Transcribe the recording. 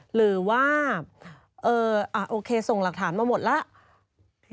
หรือว่าโอเคส่งหลักฐานมาหมดแล้ว